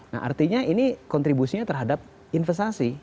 nah artinya ini kontribusinya terhadap investasi